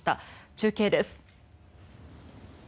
中継です。